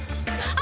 あ。